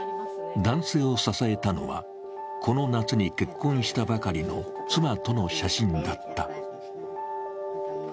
男性を支えたのは、この夏に結婚したばかりの妻との写真だった。